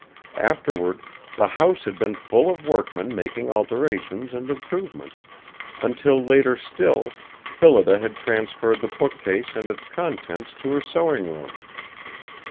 Afterward, the house had been full of workmen making alterations and improvements, until later still Phillida had transferred the bookcase and its contents to her sewing room.